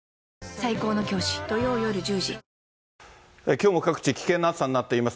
きょうも各地、危険な暑さになっています。